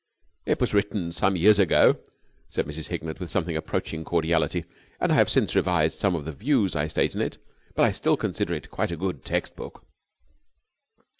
'" "It was written some years ago," said Mrs. Hignett with something approaching cordiality, "and I have since revised some of the views I state in it, but I still consider it quite a good text book."